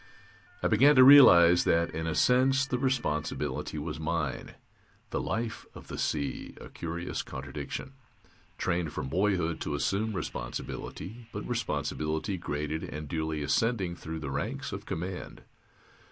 I began to realize that, in a sense, the responsibility was mine. The life of the sea a curious contradiction. Trained from boyhood to assume responsibility, but responsibility graded and duly ascending through the ranks of command.